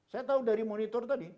saya tahu dari monitor tadi